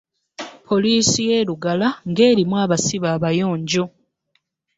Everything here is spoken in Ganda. Polisi yelugala nga erimu absibe abayonjo.